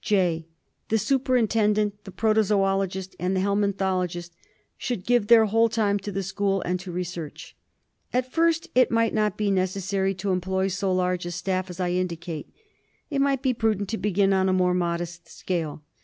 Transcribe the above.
(J) The superintendent, the protozoologist, and the helminthologist should give their whole time to the school and to research. At first it might not be necessary to employ so large a staff as I indicate; it might be prudent to begin on a more modest scale.